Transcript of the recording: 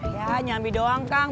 ya nyambi doang kang